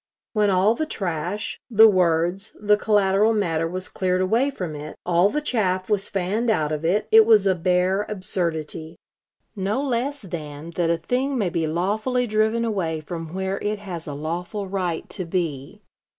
When all the trash, the words, the collateral matter was cleared away from it, all the chaff was fanned out of it, it was a bare absurdity; no less than that a thing may be lawfully driven away from where it has a lawful right to be....